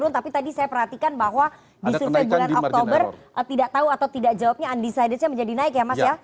tapi tadi saya perhatikan bahwa di survei bulan oktober tidak tahu atau tidak jawabnya undecidednya menjadi naik ya mas ya